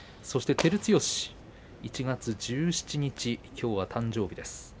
そして照強１月１７日きょうが誕生日です。